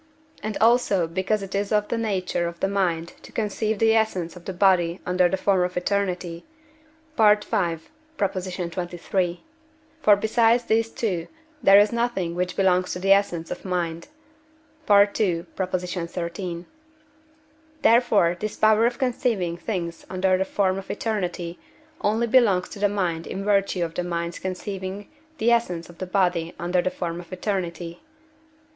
and also because it is of the nature of the mind to conceive the essence of the body under the form of eternity (V. xxiii.), for besides these two there is nothing which belongs to the essence of mind (II. xiii.). Therefore this power of conceiving things under the form of eternity only belongs to the mind in virtue of the mind's conceiving the essence of the body under the form of eternity.